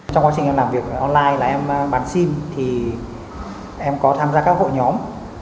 trong quá trình em làm việc online là em bán sim thì em có tham gia các hội nhóm